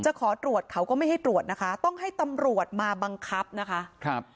ขอตรวจเขาก็ไม่ให้ตรวจนะคะต้องให้ตำรวจมาบังคับนะคะครับ